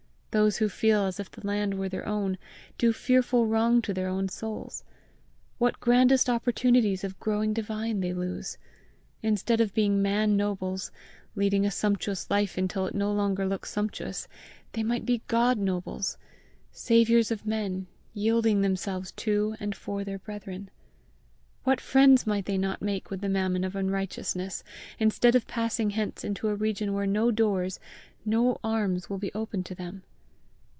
Those who feel as if the land were their own, do fearful wrong to their own souls! What grandest opportunities of growing divine they lose! Instead of being man nobles, leading a sumptuous life until it no longer looks sumptuous, they might be God nobles saviours of men, yielding themselves to and for their brethren! What friends might they not make with the mammon of unrighteousness, instead of passing hence into a region where no doors, no arms will be open to them!